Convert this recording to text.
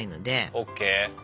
ＯＫ。